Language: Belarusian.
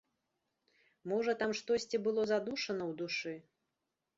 Можа, там штосьці было задушана ў душы?